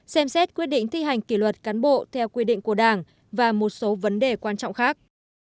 xem xét quyết định thi hành kỷ luật cán bộ theo quy định của đảng và một số vấn đề quan trọng khác